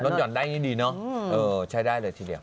หย่อนได้ง่ายดีเนอะใช้ได้เลยทีเดียว